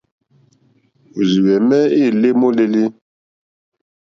Òrzìhwɛ̀mɛ́ î lé môlélí.